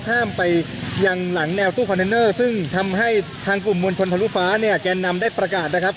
ห้ามไปอย่างหลังแนวตู้ซึ่งทำให้ทางกลุ่มมวลชนทะลูกฟ้าเนี่ยแกนำได้ประกาศนะครับ